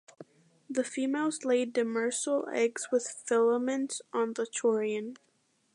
The females lay demersal eggs with filaments on the chorion.